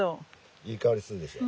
いい香りするでしょう。